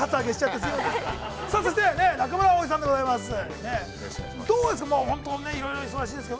そして、中村蒼さんでございます。